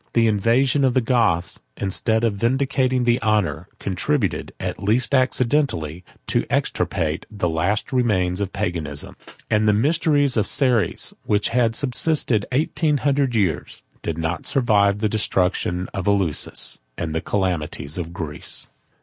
The invasion of the Goths, instead of vindicating the honor, contributed, at least accidentally, to extirpate the last remains of Paganism: and the mysteries of Ceres, which had subsisted eighteen hundred years, did not survive the destruction of Eleusis, and the calamities of Greece.